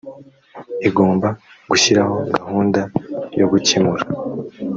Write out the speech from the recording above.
igomba gushyiraho gahunda yo gukemura